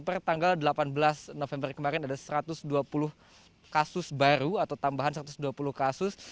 pertanggal delapan belas november kemarin ada satu ratus dua puluh kasus baru atau tambahan satu ratus dua puluh kasus